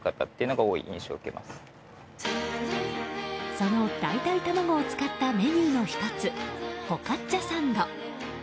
その代替卵を使ったメニューの１つフォカッチャサンド。